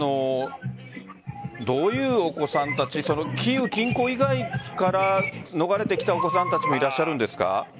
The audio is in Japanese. どういうお子さんたちキーウ近郊以外から逃れてきたお子さんたちもいらっしゃるんですか？